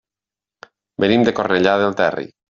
Venim de Cornellà del Terri.